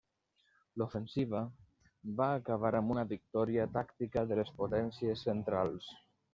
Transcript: L'ofensiva va acabar amb una victòria tàctica de les Potències Centrals.